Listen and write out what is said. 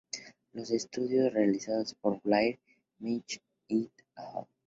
Los estudios realizados por Blair McPhee "et al.